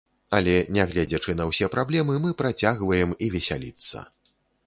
Але, нягледзячы на ўсе праблемы, мы працягваем і весяліцца.